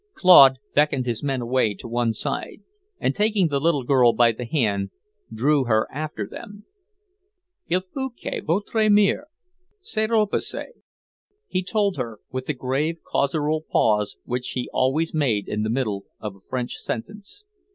Claude beckoned his men away to one side, and taking the little girl by the hand drew her after them. "Il faut que votre mère se reposer," he told her, with the grave caesural pause which he always made in the middle of a French sentence.